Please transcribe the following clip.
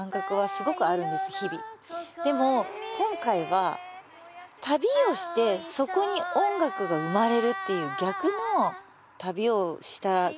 でも今回は旅をしてそこに音楽が生まれるっていう逆の旅をしたなと。